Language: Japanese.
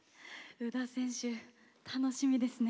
宇田選手、楽しみですね。